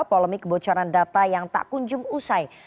polemik kebocoran data yang tak kunjung usai